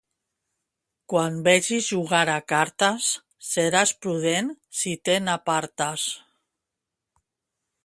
Quan vegis jugar a cartes, seràs prudent si te n'apartes.